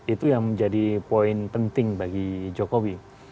itu yang menjadi poin penting bagi jokowi